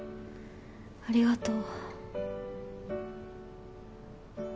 ありがとう。